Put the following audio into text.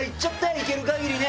行ける限りね。